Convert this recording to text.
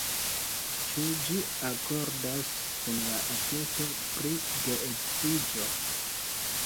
Ĉu ĝi akordas kun la atesto pri geedziĝo?